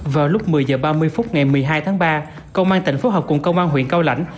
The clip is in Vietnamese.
vào lúc một mươi h ba mươi phút ngày một mươi hai tháng ba công an tỉnh phối hợp cùng công an huyện cao lãnh